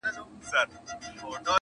• حق څوک نه سي اخیستلای په زاریو -